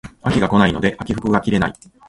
秋が来ないので秋服が着れない